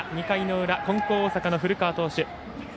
２回の裏、金光大阪の古川投手。